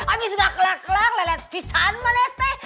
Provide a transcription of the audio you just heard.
abis gak kelar kelar lele pisahan malah teh